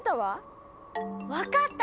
分かった！